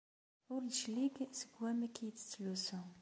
Ur d-clig seg wamek ay tettlusu.